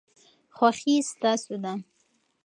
خوښي ستاسو ده.